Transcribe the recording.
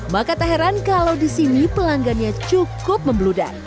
maka tak heran kalau di sini pelanggannya cukup membludak